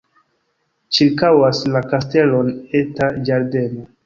Ĉirkaŭas la kastelon eta ĝardeno.